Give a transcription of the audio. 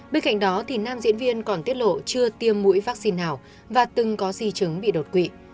bên cạnh đó nam diễn viên còn tiết lộ chưa tiêm mũi vaccine nào và từng có di chứng bị đột quỵ